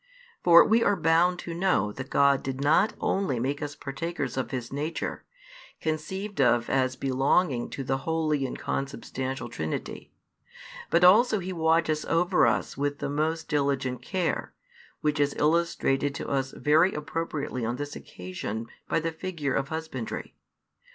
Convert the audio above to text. For we were bound to know that God did not only make us partakers of His nature, conceived of as belonging to the Holy and |366 consubstantial Trinity, but also He watches over us with, the most diligent care, which is illustrated to us very appropriately on this occasion by the figure of husbandry.